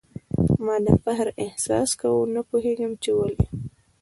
ما د فخر احساس کاوه ، نه پوهېږم چي ولي ؟